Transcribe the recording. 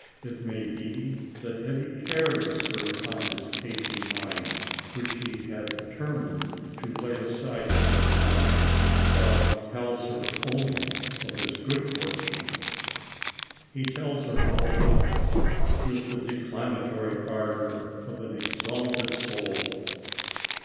It may be that heavy cares are upon his aching mind, which he had de termined to lay aside for the time, while he tells her only of his good fortune. He tells her all about it, with the declamatory ardor of an ex alted soul.